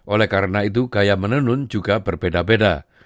oleh karena itu gaya menenun juga berbeda beda